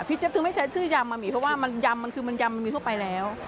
เจ๊บถึงไม่ใช้ชื่อยำบะหมี่เพราะว่ามันยำมันคือมันยำมันมีทั่วไปแล้ว